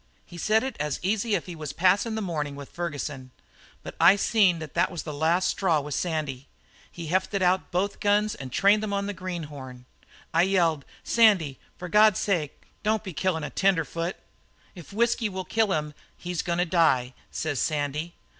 "He said it as easy as if he was passin' the morning with Ferguson, but I seen that it was the last straw with Sandy. He hefted out both guns and trained 'em on the greenhorn. "I yelled: 'Sandy, for God's sake, don't be killin' a tenderfoot!' "'If whisky will kill him he's goin' to die,' says Sandy.